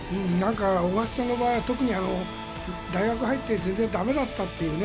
大橋さんの場合特に大学に入って全然駄目だったというね。